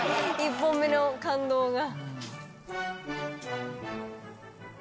１本目の感動が」